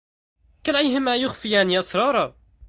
كليهما يخفيان أسرارا.